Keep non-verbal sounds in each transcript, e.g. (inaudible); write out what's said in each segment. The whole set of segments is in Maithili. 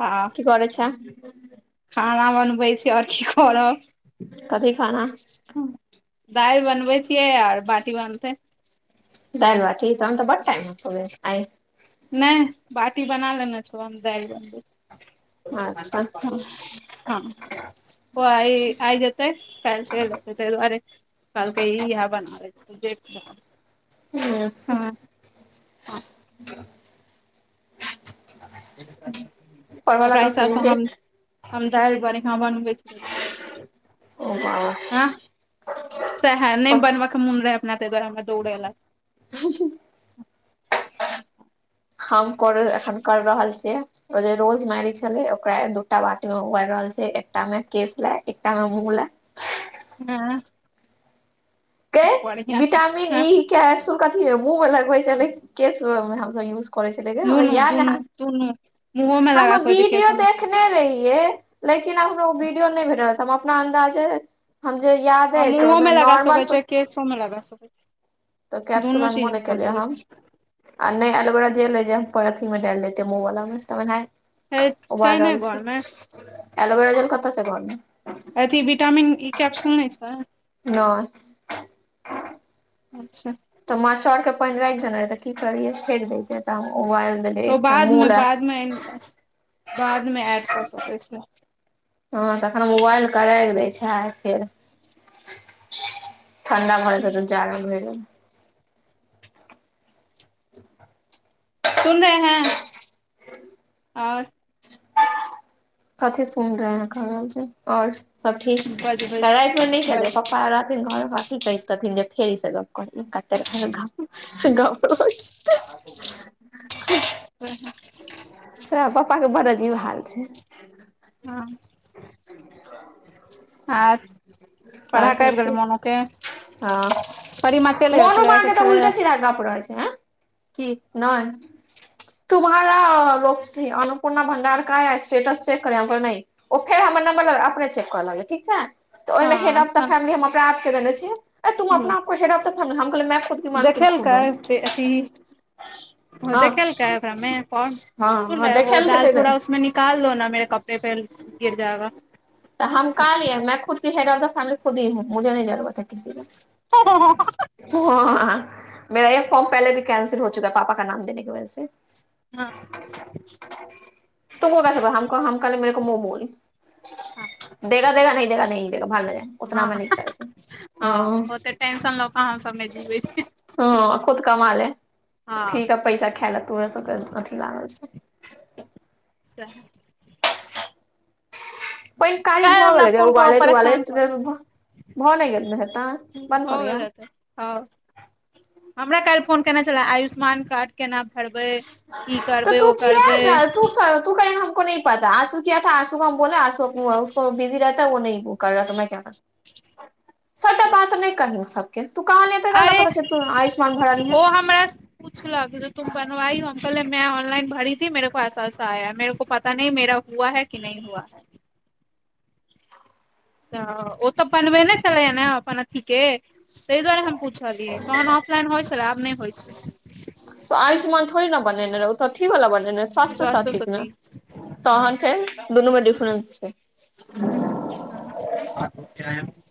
आ की करैय छें? खाना बनबैय छी और की करब। कथी खाना? हँ दैल बनबैय छियै आर बाटी बनतैय। दाइल बाटि तखन तऽ बड टाइम लगाते गै आय। नै बाटी बना लेने छौ हम दैल बनबैय। अच्छा हँ, हँ। ओ आइ -आइ जते काइल चैल चैल एतैय दुआरे। कलके ईह बना लैय छी तैय दुआरे। ठीक छैय। हँ पढले ओकरा कखन हिसाबसँ जे हम हम दाइल बढियां बनबैत हेबै। ओ सएहे नै बस बनबै के मोन रहैय अपना तैय दुआरे हमरा दौड़ेलक। हुँ -हुँ। हम करे एखन कैर रहल छियै। ओ जे रोज मारी छले ओकरा दूटा बाटीमे उबैल रहल छियै एकटा में केश लए एकटा मे मुँह लए। हँ। गै बढ़िआँ छै विटामिन हँ ई के कैपसूल कथि मे मुँह मे लगबेै छेल्लै की केश मे हमसब यूज? करैय छेल्लै गे हमरा दुनू याद दुनू रहैय दुनू मुँहोमे हम लगा सकै छी विडियो केशो मे देखने रही? यै लेकिन हमरा ओ वीडियो नै भेटल हम अपना अन्दाजे। हम जे याद अछि ओहिमे तऽ नॉर्मल। केसो मे लगा सकैय छी। तऽ कैप्सुल अनबो नै केलिए हम। आ नै एलोवेरा जेल अइ जे हम अथीमे डैल देतेैयै मुँहवाला मे तऽ छै ओनाही। छै उबैल ने रहल घर मे छैय एलोवेरा जेल कतऽ। (unintelligible) अथी विटामिन ई कैप्सुल नै छै। नै अच्छा तऽ माँ चाउर के पैन रैख देने रहै तऽ की करिये फेेक देैतियै तऽ हम उबैल देलिैए। ओ बादमे -बादमे बादमे एड कऽ सकैय छीयेै। हँ तखन उबाइलके रैख दैय छैय फेर- ठण्डा भऽ जेतै तऽ जारमे भैर देबै। सुन रहे हैं। और कथी सुइन रहल कैर रहल छैय और? सब ठीक, बजबै कालि राति नै केलियो बज पप्पा रहथिन घर में। की कहैतथिन जे, फेर इ सब गप्प करऽ लागल कते काले सब गप्प - गप्पो होइ छै। सैह पप्पा के बड़ अजीब हाल छैन। हं हट। पढ़ाके आबि गेलहु मोनुके। ह मोनु माँ कि के तऽ छलैए उल्टे सीधा गप रहैय छैय ह। की। नै। तुम्हारा और अनुपूर्णा भण्डार का स्टेटस चेेक करे हम कहलिए नही। ओ फेर हमर नम्बर लऽ कऽ अपने चेक करऽ लगलै ठीक छै। तऽ ओहिमे हेड ऑफ द हँ फैमली हम अपना आप के देने छियै, ए तुम अपना आप को हेडऑफ द फैमिली हम कहलियै मैं खुद की मालकिन खुद हूँ देखेलकै अथी हँ देखेलकै ओकरामे फॉर्म। हाँ सुन हाँ रहै हो, देखेल के थे इधर दालथोड़ा उसमें निकाल लो न मेेरे कपड़े पे गिर जाएगा। तऽ हम हँ कहलियै मैं खुद हेड ऑफ द फैमिली खुदी हूँ, मुझे नहि जरुरत है किसी के। ह (inaudible) ह मेरा एक फॉर्म पहिले भी कैंसिल हो चुका है, पापा का नाम देने के वजह से। हँ। तूम को कैसे प हम कहलियै मेरे को मुँह बोल देगा - देगा नहि देगा नहि देगा भार में जाए। हँ उतनामे न कर छै हँ ओते टेंशन लऽ कऽ हम सबमे जीबै छी ह। ह खुद कमा ले हँ फ्री का पैसा खाय ले तोरे सबके अथी लागल छो। सैहै। पाइन कारी काल्हि भऽ हमरा गेलैे गै फोन कऽ कऽ उबालैत- परेशान उबालैत। करै छै भऽ नहि गेल हेतै बन्द कऽ दियै। ह हमरा काइल फोन केने छलै, आयुष्मान कार्ड केना भरबै। ई तऽ करबै तू ओ किया करबै जा तू स कहियैन हमको नही पता आशु किया था आशु को हम बोले आशु उको बिजी र (inaudible) तऽ वो नहि कर रहा त मैं क्या कर सकती हूं। सबटा बात नहि कही सब तू कहलही एते देर में कतऽ छै तू आयुष्मान भरलहीन है। आमरस। पूछलक जो तुम बनवाइ हो, हम करियै मैं ऑनलाइन भरी थी मेरे को ऐसाऐसा आया मेरेको पता नही मेरा हुआ है कि नहि हुआ है। तऽ ओ तऽ बनबे नहि छलैय ने अपन अथी। के ताहि दुआरे हम पूछलियै, तहन ऑफलाइन होइ छलै, आब नहि होइ छै। त आयुष्मान थोड़ी ने बनेने रहो उ तऽ अथी वाला बनेने स्वास्थ्य साटीक ने, हँ तहन फेर। दुनू में डिफरेंस छै। आ क (inaudible)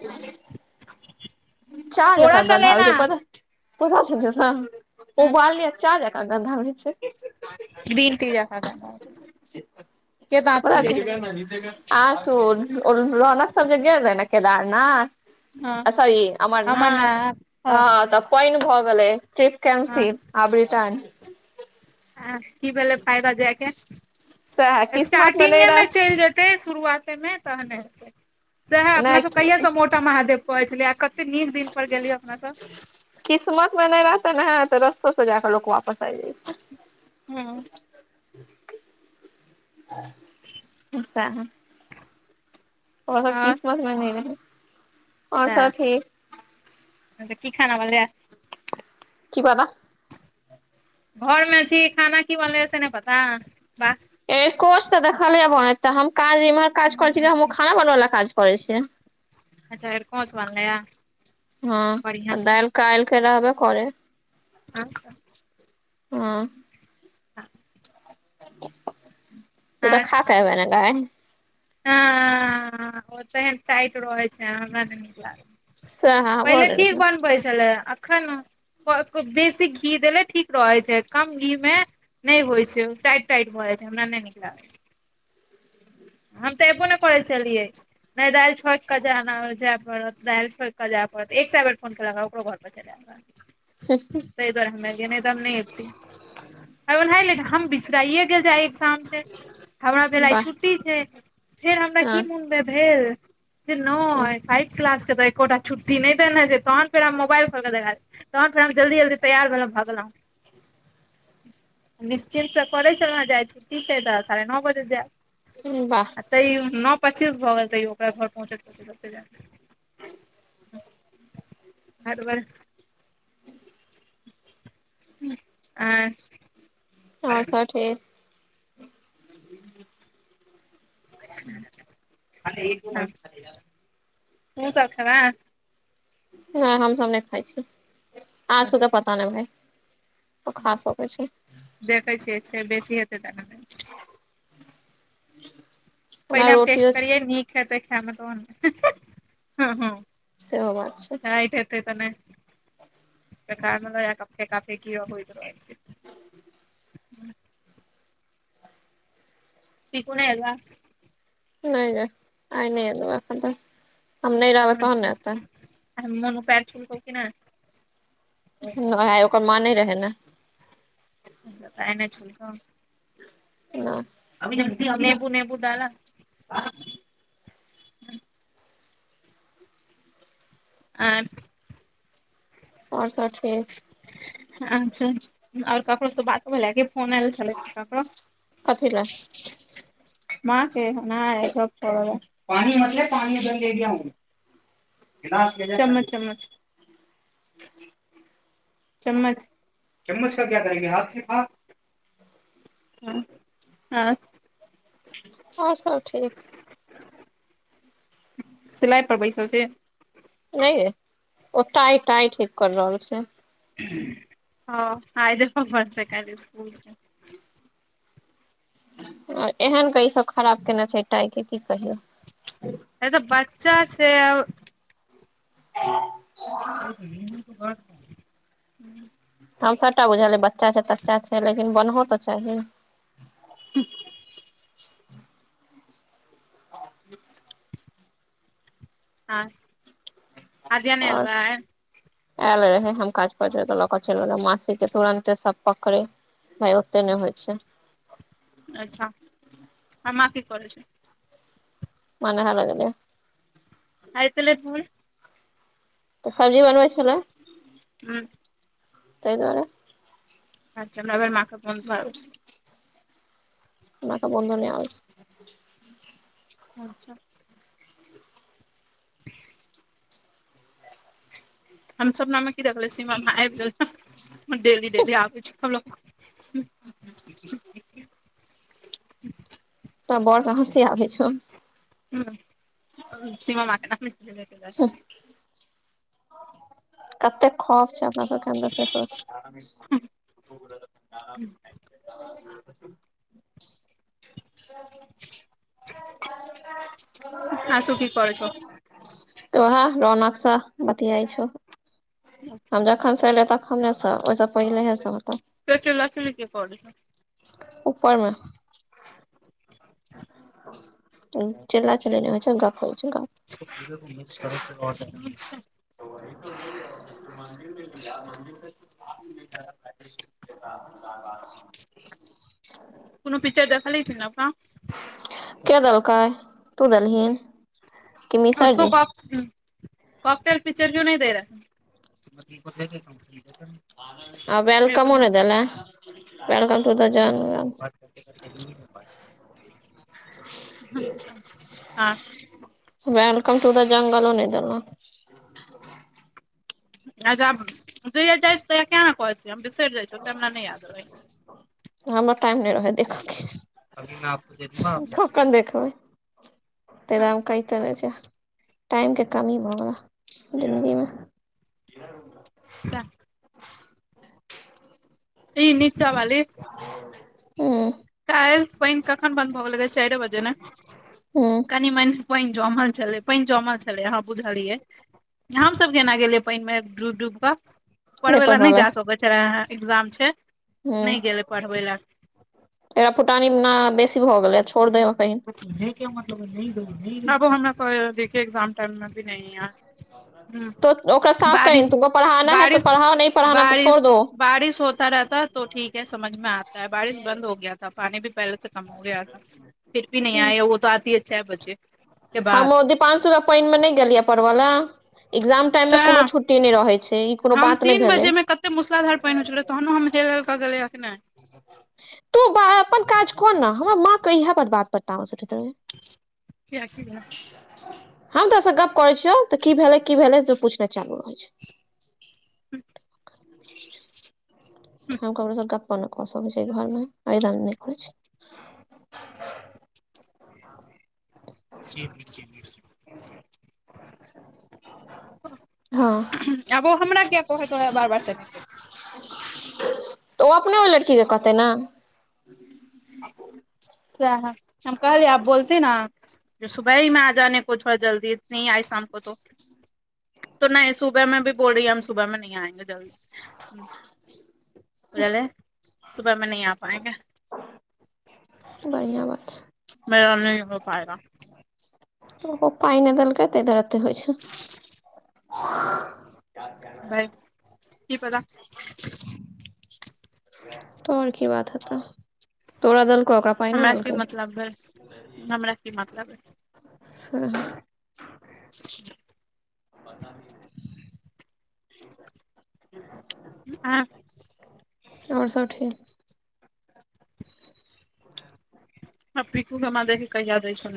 चाह जेका गन्ध आबै छै पता पता छो निशा हँ उबाललियै चाह जका गंधा आबै छै। ग्रीन टी जेका गंध आबै छै, के दांत चिरै छौ गै। निचे कर। आशु और रौनक सब जे गेल रहै ने केदारनाथ। हँ आ सॉरी अमरनाथ हँ तऽ पैन भ गेलय, ट्रिप हँ कैंसिल, आब रिटर्न। आ की भेलै फायदा जायके, सएह किस्मत नहि स्टार्टिंगे रह मे चलि जेय तै शुरुआतेमे तहने हेतै। सैह नहि अपनासब कहियासँ मोटा महादेव कहै छलियै, आ कते नीक दिनपर गेलियै अपनासब। किस्मत मे नहि रहतै ने तऽ, रस्तो से जाकऽ लोक वापस आबि जाइ छै। हँ। अस्छा ओकर किस्मत में ने रहय। सैह की खाना बनलैया। की पता घर मे छी, खाना की बनलैया से नहि पता वाह। एरकोंच त देखलियै बनैत, तऽ हम काज इम्हर काज करै छी, कि हम ओ खाना बनबय बला काज करै छि। अच्छा अरिंकोच बनलैया। हँ आ दाइल काइल के रहबे करै। अच्छा। हँऽ आह तू तं खाक एबै न गय। हंऽ ओ तेहन टाइट रहै छै, हमरा नै निक लागे। सएह हमरो पहिले ठीक बनबै छलै एखन (unintelligible) बेसी घी देले ठीक रहै छै, कम घी मे नै होइ छै, ओ टाइट टाइट भ जाइ छै, हमरा नै निक लागेये। हम त ऐबो ने करै छलिय। नहि दालि छोइक क जे पड़त, दालि छोइक जे पड़त, एक से बेर फोन केेलक, ओकरो घर पर छय। (inaudible) तहि दुआरे हम ऐलये, नय त हम नय ऐबतिय। है ओनाहिले हम बिसराये गेल जे आइ ऐगजाम छै, हमरा भेल आइ वाह छुट छय, फेर हमरा की हँ मन मे भेल, जे नय फाइब क्लास के तऽ एकोटा छुट्टी नहि देने छै, तहन फेर हम मोबाइल खोलक देखल, तहन फेर हम जल्दी जल्दी तैयार भेलहुं भग लहुँ। (inaudible) निश्चितस परय छलहुँ जे आइ छुट्टी छै, त साढ़े न बजे जेब। हुं बाह तयो न पचीस भ गेल तयो ओकरा घर पहुँचत - पहुँचैत जे में हर बर (inaudible) आंय और सब ठीक तहु सब खेबे। नय हमसब नै खाइ छी, आशु के पता नै भाय। ओ खा सकै छै देखै छियै छै, बेसी हेतै त द दे। (inaudible) पहिले हम टेस्ट करियै, निक हेतै खे मे तहन ने। सेहो बात छै। टाइट हेतै त नै, बेकार में ल जाक फेका -फेकी होइत रहै छै। चिकू नै एले। नै नै आय नै एलौ एखन तक हम नै रहबै तहन ने एतै। आइहन मोनू पैर छुलकउ कि नै? नै ओकर मां नै रहै नेै। तऽ पैर नै छुलकौउ। नैै अभ्युद्यु निबू नेबू डाला? आँय और सब ठीक। अच्छा और ककरो से बात भेल ए की फोन एल छलै ककरो? कथी लए माँ के नाइ सब पानी भर ले पानी इधर ले केया हूँ। गिलास केकरा कहैछै चम्मच -चम्मच। ह ह (inaudible) चम्मच चम्मच का किया करेगी हाथ से खाउ। हँ सब ठीक। सिलाइ पर बैसल छी? नै ए ओतऽ आइ टाइ ठीक कर रहल छी। हँ आइ देखअ (unintelligible) काइल स्कूल छै। अ एहन के इसब खराब केने छै टाइके की कहियौ। है तऽ बच्चा छै और- ह (inaudible) (unintelligible) हम सबटा बुझलए बच्चा छैय तच्चा छैय लेकिन बनहो तऽ चाही। हू- आँ अध्या नेै लेवे? एल रहै हम काज पर तऽ लऽ के चैल गेलै मासी के तूुरानते सब पकरेै। नै ओते नेै होइ छैय। अच्छा अम्मा की करेै छैय? माँ नहाले गेलेै। आइ एते लेट भुल। तऽ सब्जी बनबै छेलै हूँ तैय दुआरे। अच्छा नेहा माँ के फोन कर। हमरा तऽ मोनो नै आबेै छैय। अच्छा हम सपना मे की देखलेियै सीमा माय आब गेल डेली डेली आबेै छैय हमरा पास। तोहर बड़ के हँसी आबै छौ। हँ सीमा माँ के (unintelligible) कतेक खौफ छैय अपना सबके अन्दर से सोच। हुँ। (unintelligible) आसुु कि करे छौ? उहे रौनक सऽ बतआइ छौ अच्छा हम। तखनसँ एलै तखनेसँ ओहिसँ पहिलहेसँ होतौ। एते चीला चीली के करे छैय। ऊपरमे चील्ला चील्ली नहि होइ छैय गप्प होय छैय गप्प। (inaudible) (inaudible) मन्दिर (unintelligible) (inaudible) कुनु पिक्चर देखली कि नबका। के दलकै तू देलही। उसको काॅ हुँ कते पिक्चर क्यों नहि दे रहा। आ मेरे को वेलकमो नहीं नहि देले वेलकम टु द जं बात करते करते (unintelligible) वेलकम टू द जंगलो नहि देलो अच्छा ज जाइ त कना कहै छ हम बिसरि जाइ छ तरा नहि याद रहै। हमर टाइम नहि रहै देखऽ के कखन देखबै। (unintelligible) टाइम के कमी भऽ गेल जन्दगी मे (inaudible) ई नीचा वाली। हूँ। काइल पानि कखन बन्द भऽ गेलै चारि बजे ने हूँ कनि मनि। पानि जमल छलै पानि जमल छलै हाँ बुझलियै। हमसभ केना गेलियै पानि मे डूबि डूब कऽ। पढै बला नहि जा सके हे एग्जाम छैय। हूँ एकरा फुटानी न बेसी भऽ गेलै छोड़ दही ओतही। नय के मतलब नय दही अबो हमरा कहेया तो ओकरा साफ कहीं तुमको पढ़ाना है तो पढ़ाओ नहीं पढ़ाना तो छोड़ दो (unintelligible) (unintelligible) (unintelligible) (unintelligible) हम बाद ओ दीपांसु के पानि मे नहि गेलियै पढ़ब लए एग्जाम टाइम में कोनो सह छुट्टी नहि रहे छैय ई कोनो बात नहि भेले। इते मुसलाधर पानि होइत छलै तहनो हम हेल हेल कऽ गेलियै या की नहि। तू अपन काज क न हमर माँ के इह पर बात पर तामस उठैत रहै या। किया की भेलै (unintelligible) हम तोरा से गप। करै छियौ तऽ की भेलै की भेलै पूछनाय चालू रहै छैय। हूँ। हम ककरो से गप्पो नै कऽ सकैत छी अय घर मे अहि दुआरे नै करै छी। (inaudible) हँ (unintelligible) आब ओ हमरा किया कहैत रहैया बार बार से नहि कहि। (unintelligible) तऽ ओ अपने ओय लड़की के कहते नहि। सेहए (unintelligible) (unintelligible) तो नै सुबहमे भी बोल रही है हम सुबहमे नही आएंगे जल्दी। हूं बुझलि सुबहमे नही आ पायेंगे। बढ़िया बात छै। मेरा नहि हो पायेगा। ओकरो पाइ नै देलके तै दुआरे अते होइ छै। भै की पता। तऽ और की बात हेतै, तोरा देलको ओकरा पाइ हमरा नहि की देलकै मतलब हय, हमरा की मतलब हय। हां-हां। बता भी नै। आँ त और सब ठीक? आब पिकु के माँ देखी कहिया दै छौ नै।